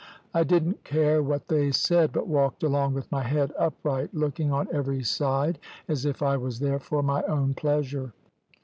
I didn't care what they said, but walked along with my head upright, looking on every side as if I was there for my own pleasure.